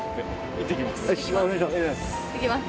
行ってきます